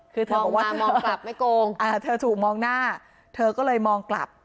คือเธอบอกว่ามองกลับไม่โกงเธอถูกมองหน้าเธอก็เลยมองกลับ